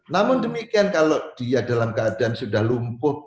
namun demikian kalau dia dalam keadaan sudah lumpuh